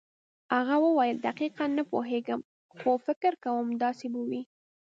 هغه وویل دقیقاً نه پوهېږم خو فکر کوم داسې به وي.